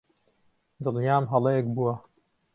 دڵنیام هەڵەیەک بووە.